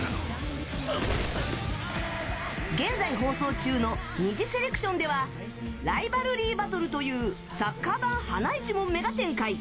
現在放送中の２次セレクションではライバルリー・バトルというサッカー版はないちもんめが展開！